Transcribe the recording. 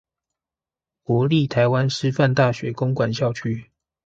國立臺灣師範大學公館校區